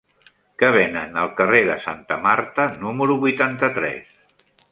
Què venen al carrer de Santa Marta número vuitanta-tres?